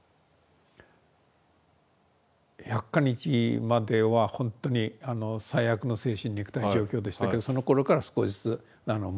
百箇日まではほんとに最悪の精神肉体状況でしたけどそのころから少しずつ前向きになっていったと。